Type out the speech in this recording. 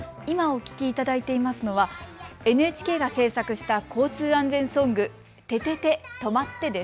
今お聞きいただいていますのはＮＨＫが制作した交通安全ソング、ててて！